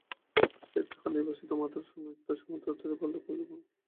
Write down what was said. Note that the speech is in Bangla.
সে তাহার নির্বাসিত মাতার সহিত সমুদ্রতীরে আপনমনে বাল্যকাল যাপন করিতে থাকে।